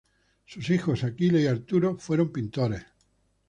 Sus hijos Achille y Arturo fueron pintores.